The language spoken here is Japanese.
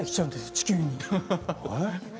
地球に。